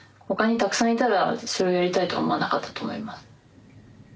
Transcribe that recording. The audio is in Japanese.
ほかにたくさんいたらそれをやりたいとは思わなかったと思います。